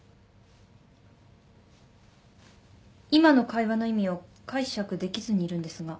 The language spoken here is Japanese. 今の会話の意味を解釈できずにいるんですが。